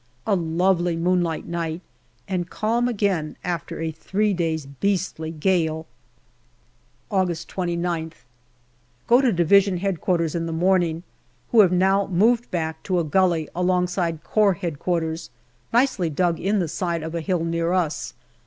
A lovely moonlight night, and calm again after a three days' beastly gale. August Go to D.H.Q. in the morning, who have now moved back to a gully alongside Corps H.Q., nicely dug in the side of a hill near us.